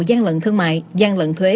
gian lận thương mại gian lận thuế